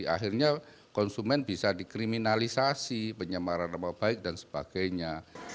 akhirnya konsumen bisa dikriminalisasi penyembaran apa baik dan sebagainya